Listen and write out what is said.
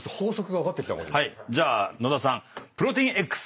じゃあ野田さん。